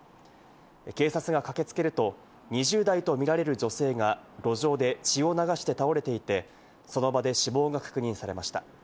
警察が駆けつけると、２０代とみられる女性が路上で血を流して倒れていて、その場で死亡が確認されました。